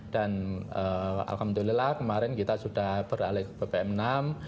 alhamdulillah kemarin kita sudah beralih ke bpm enam